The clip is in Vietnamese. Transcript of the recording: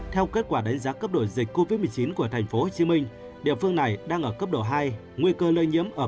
theo kết quả đánh giá cấp độ dịch covid một mươi chín của tp hcm địa phương này đang ở cấp độ hai